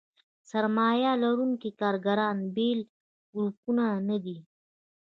سرمایه لرونکي کارګران بېل ګروپونه نه دي.